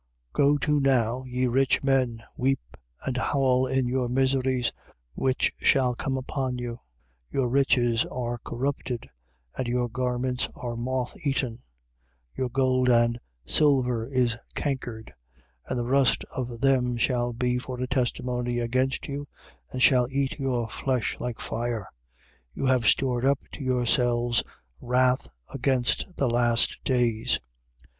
5:1. Go to now, ye rich men: weep and howl in your miseries, which shall come upon you. 5:2. Your riches are corrupted: and your garments are motheaten. 5:3. Your gold and silver is cankered: and the rust of them shall be for a testimony against you and shall eat your flesh like fire. You have stored up to yourselves wrath against the last days.